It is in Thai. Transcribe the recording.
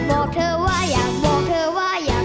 เผื่อต้องโทกา